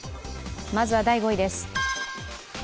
まずは第５位です。